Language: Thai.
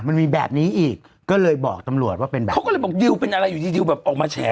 มันมีแบบนี้อีกก็เลยบอกตำรวจว่าเป็นแบบเขาก็เลยบอกดิวเป็นอะไรอยู่ดีดิวแบบออกมาแฉ